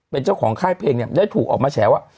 เป็นเจ้าของค่ายเพลงเนี่ยได้ถูกออกมาแฉว่า